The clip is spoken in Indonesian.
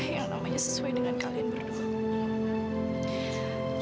yang namanya sesuai dengan kalian berdua